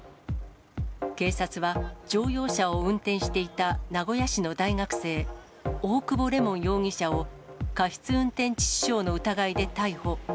警察は、乗用車を運転していた名古屋市の大学生、大久保れもん容疑者を過失運転致死傷の疑いで逮捕。